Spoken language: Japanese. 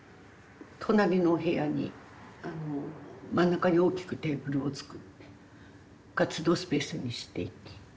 隣のお部屋にあの真ん中に大きくテーブルを作って活動スペースにしていき。